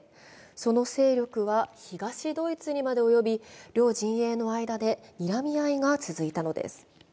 その勢力は、東ドイツにまで及び両陣営の間でにらみ合いが続いたのです。